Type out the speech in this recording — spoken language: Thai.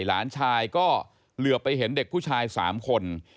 หลานชายก็เหลือไปเห็นเด็กผู้ชาย๓คน